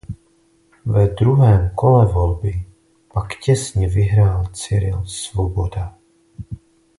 Ve druhém kole volby pak těsně vyhrál Cyril Svoboda.